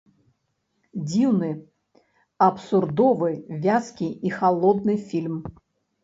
Дзіўны, абсурдовы, вязкі і халодны фільм.